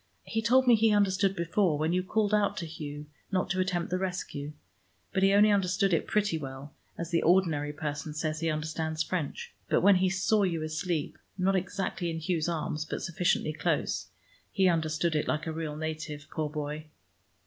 He told me he understood before, when you called out to Hugh not to attempt the rescue. But he only understood it pretty well, as the ordinary person says he understands French. But when he saw you asleep, not exactly in Hugh's arms, but sufficiently close, he understood it like a real native, poor boy!"